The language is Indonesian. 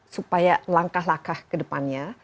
supaya langkah langkah ke depannya